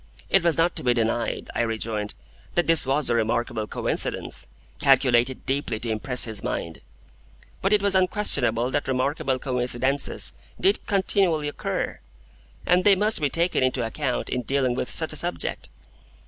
It was not to be denied, I rejoined, that this was a remarkable coincidence, calculated deeply to impress his mind. But it was unquestionable that remarkable coincidences did continually occur, and they must be taken into account in dealing with such a subject.